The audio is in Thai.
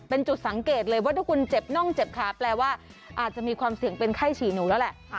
เป็นจุดสังเกตเลยว่าถ้าคุณเจ็บน่องเจ็บขาแปลว่าอาจจะมีความเสี่ยงเป็นไข้ฉี่หนูแล้วแหละ